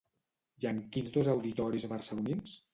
I en quins dos auditoris barcelonins?